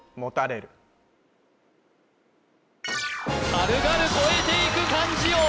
軽々越えていく漢字王！